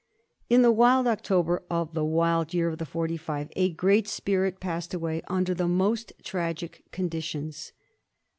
In the wild October of the wild year of the Forty five a great spirit passed away under the most tragic condi tions.